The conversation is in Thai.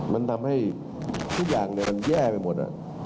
มันทำให้ทุกอย่างมันแย่ไปหมด